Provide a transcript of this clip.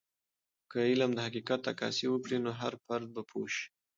که علم د حقیقت عکاسي وکړي، نو هر فرد به پوه سي.